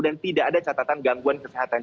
tidak ada catatan gangguan kesehatan